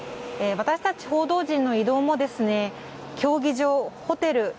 私たち報道陣の移動も競技場、ホテル